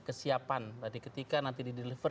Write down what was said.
kesiapan tadi ketika nanti dideliver